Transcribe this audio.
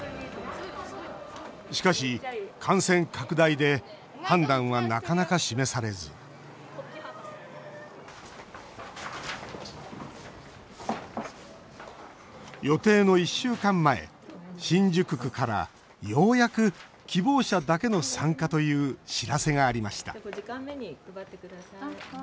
しかし、感染拡大で判断はなかなか示されず予定の１週間前新宿区からようやく希望者だけの参加という知らせがありました。